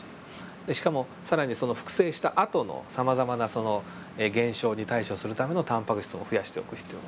でしかも更に複製したあとのさまざまなその現象に対処するためのタンパク質も増やしておく必要があると。